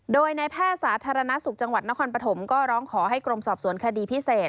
โดยในแพทย์สาธารณสุขจังหวัดนครปฐมก็ร้องขอให้กรมสอบสวนคดีพิเศษ